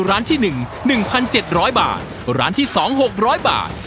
ร้านที่หนึ่งหนึ่งพันเจ็ดร้อยบาทร้านที่สองหกโบราต